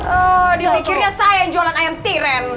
oh dipikirnya saya yang jualan ayam tiren